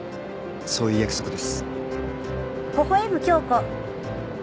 そういう約束です。